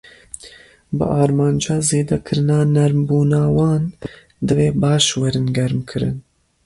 Bi armanca zêdekirina nermbûna wan, divê baş werin germkirin.